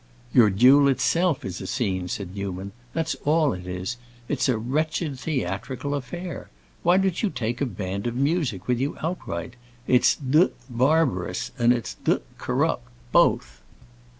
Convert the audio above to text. "Your duel itself is a scene," said Newman; "that's all it is! It's a wretched theatrical affair. Why don't you take a band of music with you outright? It's d—d barbarous and it's d—d corrupt, both."